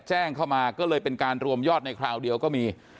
แจ้งเข้ามาก็เลยเป็นการรวมยอดในคราวเดียวก็มี